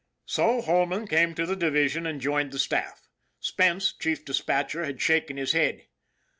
So Holman came to the division and joined the staff. Spence, chief dispatcher, had shaken his head.